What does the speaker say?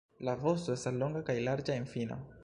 La vosto estas longa kaj larĝa en fino.